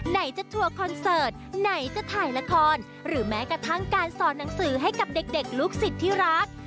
ไหนจะทัวร์คอนเสิร์ตไหนจะถ่ายละคร